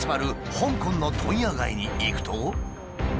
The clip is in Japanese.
香港の問屋街に行くと。